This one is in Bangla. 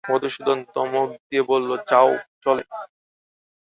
মধুসূদন ধমক দিয়ে বললে, যাও চলে।